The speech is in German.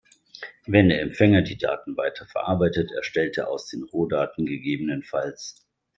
Wenn der Empfänger die Daten weiter verarbeitet, erstellt er aus den Rohdaten ggf.